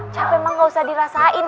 capek emang gak usah dirasain